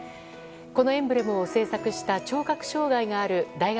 このエンブレムを制作した聴覚障害がある大学